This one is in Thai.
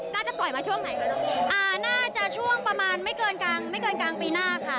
น่าจะปล่อยมาช่วงไหนค่ะต๊องบีอ่าน่าจะช่วงประมาณไม่เกินกังปีหน้าค่ะ